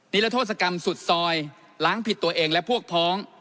นิรโทษกรรมสุดซอยล้างผิดตัวเองและพวกพ้อง